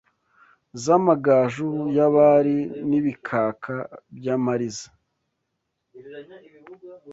Z’amagaju y’abari N’ibikaka by’amariza